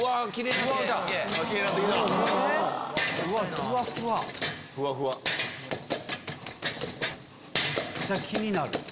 めっちゃ気になる！